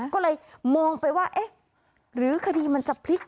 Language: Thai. ก็เลยมองไปว่าเอ๊ะหรือคดีมันจะพลิก